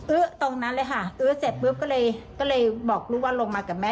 อึ๊ะตรงนั้นเลยค่ะอึ๊ะไว้เสร็จปุ๊บก็เลยบอกลูกว่าลงมากับแม่